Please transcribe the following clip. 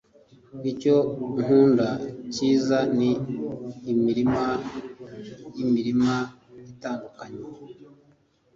Icyo nkunda cyiza ni imirima yimirima itandukanye